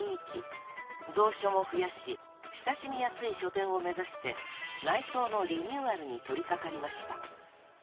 ［蔵書も増やし親しみやすい書店を目指して内装のリニューアルに取り掛かりました］